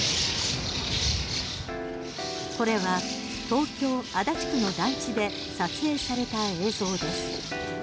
東京・足立区の団地で撮影された映像です。